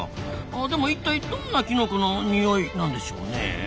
でも一体どんなきのこの匂いなんでしょうねえ？